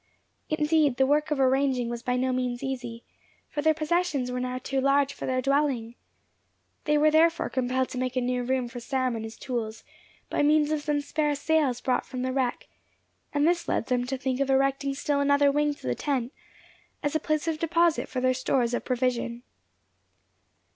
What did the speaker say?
Indeed, the work of arranging was by no means easy, for their possessions were now too large for their dwelling. They were therefore compelled to make a new room for Sam and his tools, by means of some spare sails brought from the wreck; and this led them to think of erecting still another wing to the tent, as a place of deposit for their stores of provision.